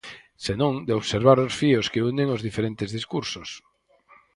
Senón de observar os fíos que unen os diferentes discursos.